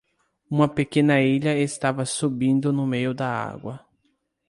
Uma pequena ilha estava subindo no meio da água.